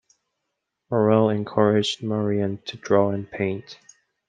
Marrel encouraged Merian to draw and paint.